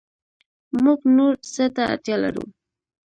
موږ نور څه ته اړتیا لرو